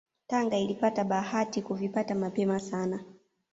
Tanga ilipata bahati kuvipata mapema sana